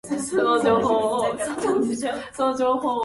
"All tracks composed by David Sylvian unless otherwise noted"